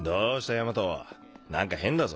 大和何か変だぞ。